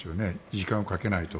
時間をかけないと。